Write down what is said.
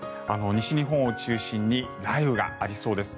西日本を中心に雷雨がありそうです。